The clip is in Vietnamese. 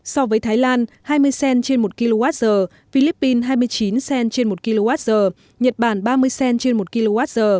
so với thái lan hai mươi cent trên một kwh philippines hai mươi chín cent trên một kwh nhật bản ba mươi cent trên một kwh